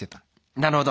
なるほど。